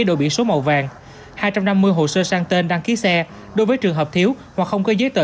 đồ biển số màu vàng hai trăm năm mươi hồ sơ sang tên đăng ký xe đối với trường hợp thiếu hoặc không có giấy tờ